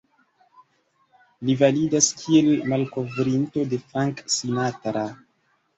Li validas kiel malkovrinto de Frank Sinatra.